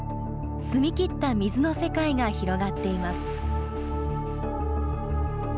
澄み切った水の世界が広がっています。